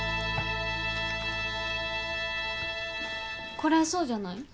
これそうじゃない？